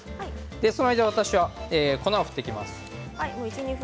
その間、私は粉を振っていきます。